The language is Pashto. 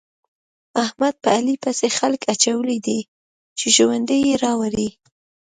احمد په علي پسې خلګ اچولي دي چې ژوند يې راوړي.